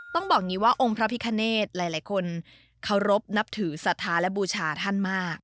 ต้องบอกอย่างนี้ว่าองค์พระพิคเนธหลายคนเคารพนับถือศรัทธาและบูชาท่านมาก